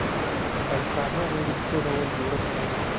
اطراحیه غړي څه ډول جوړښت لري؟